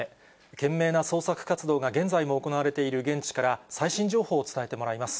懸命な捜索活動が、現在も行われている現地から最新情報を伝えてもらいます。